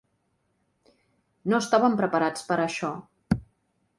No estàvem preparats per a això.